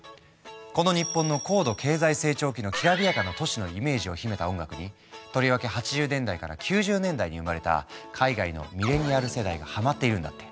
この日本の高度経済成長期のきらびやかな都市のイメージを秘めた音楽にとりわけ８０年代から９０年代に生まれた海外のミレニアル世代がハマっているんだって。